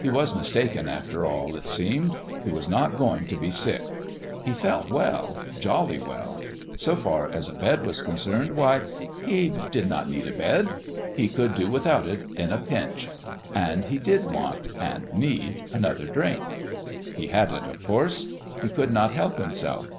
He was mistaken, after all, it seemed ; he was not going to be sick. He felt well jolly well. So far as a bed was concerned why he did not need a bed. He could do without it at a pinch. And he did want and need another drink. He had it, of course ; he could not help himself.